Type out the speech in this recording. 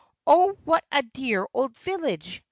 Oh, what a dear old village!"